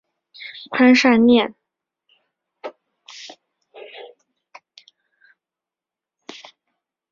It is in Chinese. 潘善念是南定省义兴府务本县果灵社出生。